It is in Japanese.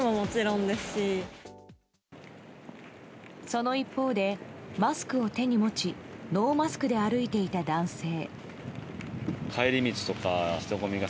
その一方で、マスクを手に持ちノーマスクで歩いていた男性。